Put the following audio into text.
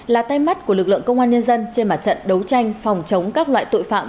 là tay mắt của lực lượng công an nhân dân trên mặt trận đấu tranh phòng chống các loại tội phạm